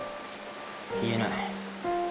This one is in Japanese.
言えない。